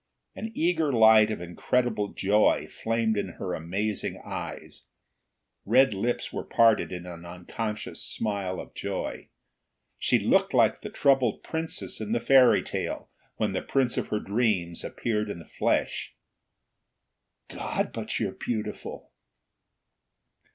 An eager light of incredible joy flamed in her amazing eyes; red lips were parted in an unconscious smile of joy. She looked like the troubled princess in the fairy tale, when the prince of her dreams appeared in the flesh. "God, but you're beautiful!"